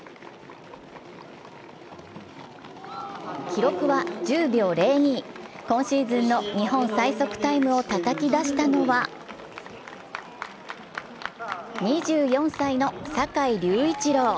記録は１０秒０２、今シーズンの日本最速タイムをたたき出したのは２４歳の坂井隆一郎。